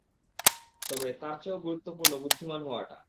তবে তারচেয়েও গুরুত্বপূর্ণ বুদ্ধিমান হওয়াটা।